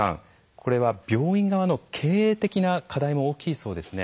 これは病院側の経営的な課題も大きいそうですね。